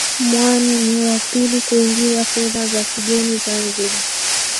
Mwani ni wa pili kuingiza fedha za kigeni Zanzibar